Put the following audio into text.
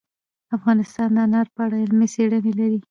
افغانستان د انار په اړه علمي څېړنې لري.